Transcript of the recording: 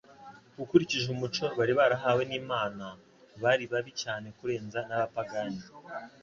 Ukurikije umuco bari barahawe n'Imana, bari babi cyane kurenza n'abapagani,